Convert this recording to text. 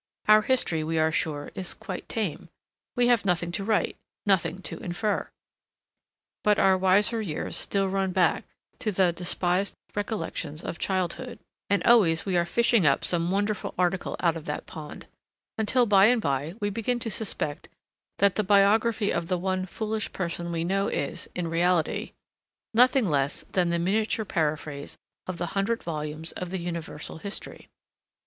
Our history, we are sure, is quite tame: we have nothing to write, nothing to infer. But our wiser years still run back to the despised recollections of childhood, and always we are fishing up some wonderful article out of that pond; until by and by we begin to suspect that the biography of the one foolish person we know is, in reality, nothing less than the miniature paraphrase of the hundred volumes of the Universal History.